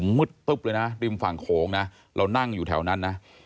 มืดตึ๊บเลยนะริมฝั่งโขงนะเรานั่งอยู่แถวนั้นนะ